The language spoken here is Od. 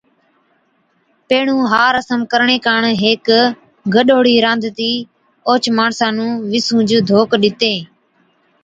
پيھڻُون ھا رسم ڪرڻي ڪاڻ ھيڪ گڏوڙھِي رانڌتِي اوھچ ماڻسا نُون وِسُونچ ڌوڪ ڏِتين